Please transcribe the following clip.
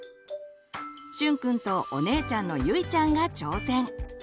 しゅんくんとお姉ちゃんのゆいちゃんが挑戦！